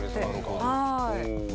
はい。